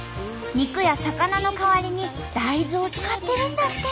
肉や魚の代わりに大豆を使ってるんだって。